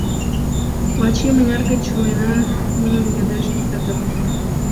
— Вачий, мыняр гыч руэна? — манын йодеш Пӧтыр.